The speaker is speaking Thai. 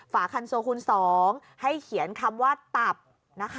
ฝาคันโซคูณ๒ให้เขียนคำว่าตับนะคะ